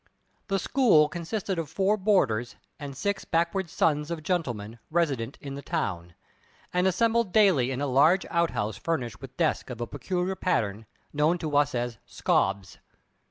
The school consisted of four boarders and six backward sons of gentlemen resident in the town, and assembled daily in a large outhouse furnished with desks of a peculiar pattern, known to us as "scobs."